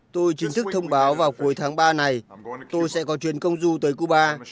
tôi chính thức thông báo vào cuối tháng ba này tôi sẽ có chuyến công du tới cuba